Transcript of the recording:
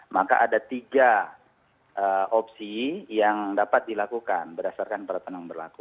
maka ada tiga opsi yang dapat dilakukan berdasarkan peraturan yang berlaku